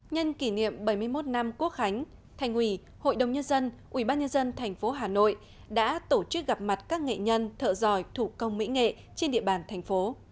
nhân kỷ niệm bảy mươi một năm quốc khánh thành ủy hội đồng nhân dân ủy ban nhân dân thành phố hà nội đã tổ chức gặp mặt các nghệ nhân thợ giỏi thủ công mỹ nghệ trên địa bàn thành phố